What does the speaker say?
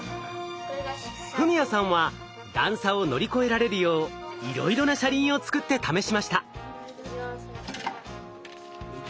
史哉さんは段差を乗り越えられるよういろいろな車輪を作って試しました。